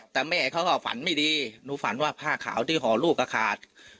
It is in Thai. แต่แม่เขาก็ฝันไม่ดีหนูฝันว่าผ้าขาวที่ห่อลูกก็ขาด